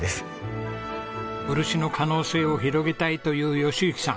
漆の可能性を広げたいという喜行さん。